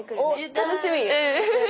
楽しみ！